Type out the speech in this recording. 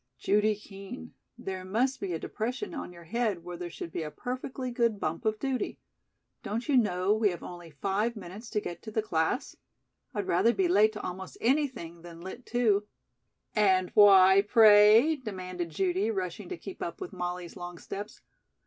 "Judy Kean, there must be a depression on your head where there should be a perfectly good bump of duty. Don't you know we have only five minutes to get to the class? I'd rather be late to almost anything that Lit. II." "And why, pray?" demanded Judy, rushing to keep up with Molly's long steps.